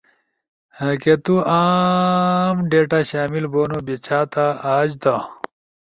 کہ تو عاام ڈیٹا شامل بونو بیچھاتا، آج دا